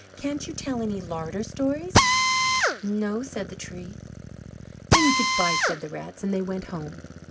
Can't you tell any larder stories?" "No," said the Tree. "Then good bye," said the Rats; and they went home.